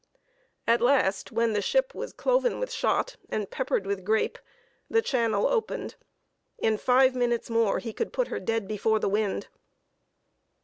At last, when the ship was cloven with shot, and peppered with grape, the channel opened: in five minutes more he could put her dead before the wind.